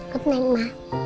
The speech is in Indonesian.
jatuh aja ma